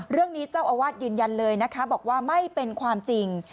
เรื่องนี้เจ้าอาวาสยืนยันเลยนะคะบอกว่าไม่เป็นความจริง